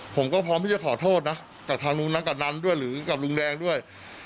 ผมก็พร้อมที่จะขอโทษนะจากทางลุงนั้นกับนันด้วยหรือกับลุงแดงด้วย